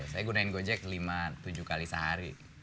saya gunain gojek lima tujuh kali sehari